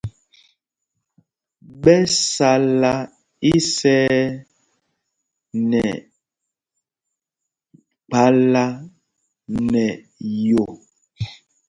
Ɓɛ sala isɛɛ nɛ kphālā nɛ yo.